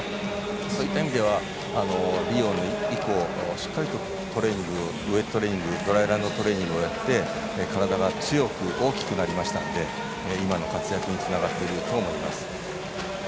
そういった意味では、リオ以降しっかりとトレーニングをやって体が強く大きくなりましたので今の活躍につながっていると思います。